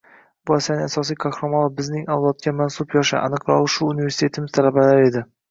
Bu asarning asosiy qahramonlari bizning avlodga mansub yoshlar, aniqrog`i, shu universitetimiz talabalari edi